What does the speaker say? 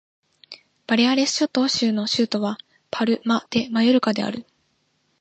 バレアレス諸島州の州都はパルマ・デ・マヨルカである